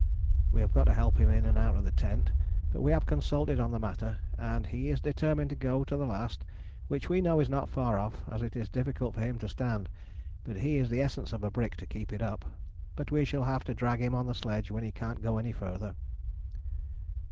We have got to help him in and out of the tent, but we have consulted on the matter and he is determined to go to the last, which we know is not far off, as it is difficult for him to stand, but he is the essence of a brick to keep it up, but we shall have to drag him on the sledge when he cant go any further.